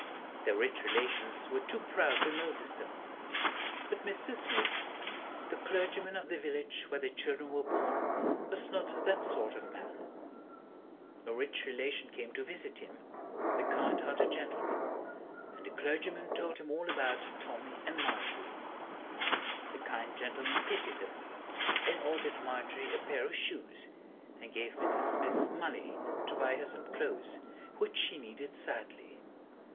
Their rich relations were too proud to notice them. But Mr. Smith, the clergyman of the village where the children were born, was not that sort of a man. A rich relation came to visit him a kind hearted gentleman and the clergyman told him all about Tommy and Margery. The kind gentleman pitied them, and ordered Margery a pair of shoes and gave Mr. Smith money to buy her some clothes, which she needed sadly.